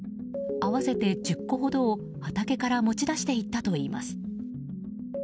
合わせて１０個ほどを、畑から持ち出していったといいます。